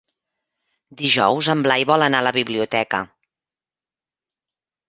Dijous en Blai vol anar a la biblioteca.